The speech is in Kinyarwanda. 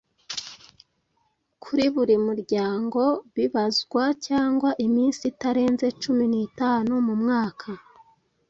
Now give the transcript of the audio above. kuri buri muryango bibazwa, cyangwa iminsi itarenze cumi n'itatu mu mwaka